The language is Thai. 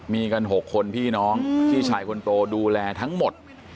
มีกัน๖คนพี่น้องพี่ชายคนโตดูแลทั้งหมด